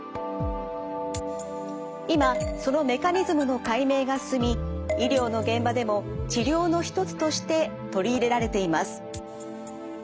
今そのメカニズムの解明が進み医療の現場でも治療の一つとして取り入れられています。